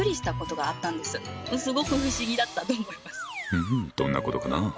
うんどんなことかな？